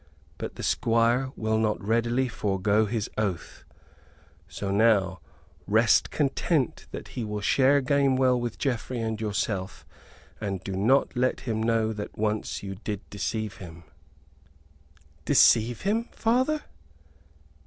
But the Squire will not readily forego his oath. So now, rest content that he will share Gamewell with Geoffrey and yourself, and do not let him know that once you did deceive him." "Deceive him, father?"